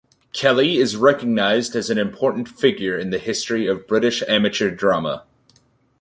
Kelly is recognised as an important figure in the history of British amateur drama.